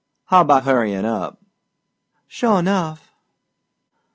"How 'bout hurryin' up?" "Sure enough."